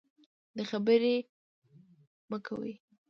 د خبرې مه کوئ.